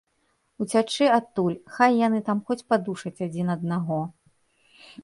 Уцячы адтуль, хай яны там хоць падушаць адзін аднаго.